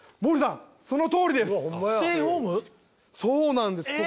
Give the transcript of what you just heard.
そうなんです。